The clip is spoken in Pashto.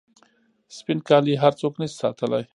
سپین کالي هر څوک نسي ساتلای.